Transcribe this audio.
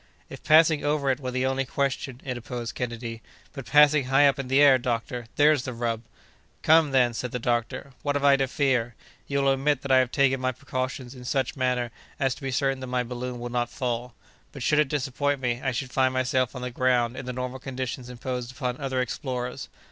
"If passing over it were the only question!" interposed Kennedy; "but passing high up in the air, doctor, there's the rub!" "Come, then," said the doctor, "what have I to fear? You will admit that I have taken my precautions in such manner as to be certain that my balloon will not fall; but, should it disappoint me, I should find myself on the ground in the normal conditions imposed upon other explorers.